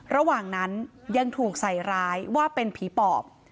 ระหว่างนั้นยังถูกใส่ร้ายว่าเป็นผีปอบ